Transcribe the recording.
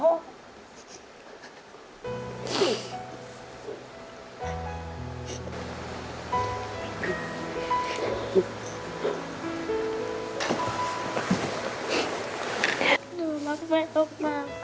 หนูรักแม่ต้องมาก่อนแม่ก็รักหนูลูก